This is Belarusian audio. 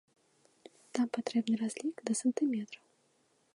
Там патрэбны разлік да сантыметраў.